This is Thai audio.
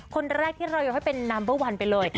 คนแรกที่เรายกให้เป็นนัมเบอร์วันไปเลย